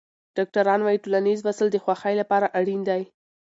ډاکټران وايي ټولنیز وصل د خوښۍ لپاره اړین دی.